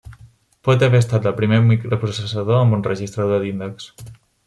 Pot haver estat el primer microprocessador amb un registrador d'índex.